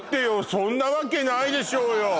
そんなわけないでしょうよ